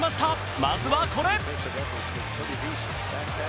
まずはこれ。